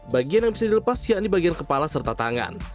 bagian yang bisa dilepas yakni bagian kepala serta tangan